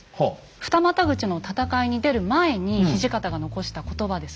二股口の戦いに出る前に土方が残した言葉です。